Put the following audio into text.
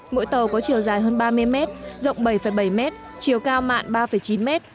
mỗi tàu có chiều dài hơn ba mươi mét rộng bảy bảy mét chiều cao mạn ba chín mét